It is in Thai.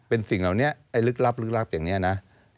เป็นสิ่งเหล่านี้ไอ้ลึกลับลึกลับอย่างนี้นะ